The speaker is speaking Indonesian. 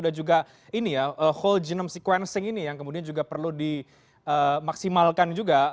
dan juga ini ya whole genome sequencing ini yang kemudian juga perlu dimaksimalkan juga